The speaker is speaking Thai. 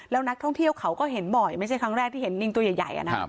แล้วนักท่องเที่ยวเขาก็เห็นบ่อยไม่ใช่ครั้งแรกที่เห็นลิงตัวใหญ่